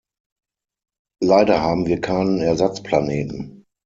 Leider haben wir keinen Ersatzplaneten.